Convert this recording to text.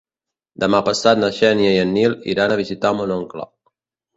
Demà passat na Xènia i en Nil iran a visitar mon oncle.